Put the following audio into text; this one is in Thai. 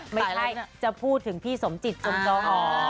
ไม่ใช่จะพูดถึงพี่สมจิตสมนอง